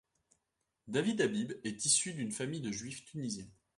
David Habib est issu d'une famille de juifs tunisiens.